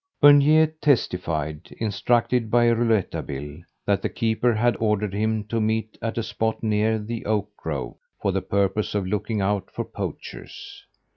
Bernier testified, instructed by Rouletabille, that the keeper had ordered him to meet at a spot near the oak grove, for the purpose of looking out for poachers.